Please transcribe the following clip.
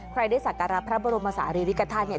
ใครได้สักการรับพระบรมสารีเหล็กธาตุเนี่ย